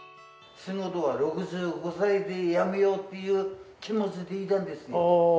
仕事は６５歳でやめようっていう気持ちでいたんです。